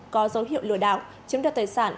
có dấu hiệu lừa đảo chiếm được tài sản